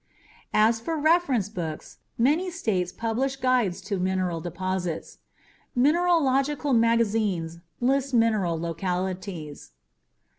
As for reference books, many states publish guides to mineral deposits. Mineralogical magazines list mineral localities.